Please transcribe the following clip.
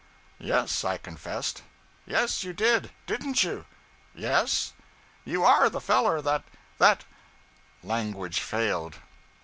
'Yes,' I confessed. 'Yes, you did didn't you?' 'Yes.' 'You are the feller that that ' Language failed.